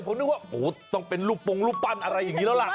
ผมนึกว่าโหต้องเป็นลูกปรงลูกปั้นอะไรอย่างนี้แล้ว